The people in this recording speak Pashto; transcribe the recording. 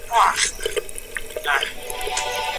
د قمرۍ الوتنه د ازادۍ نښه ده.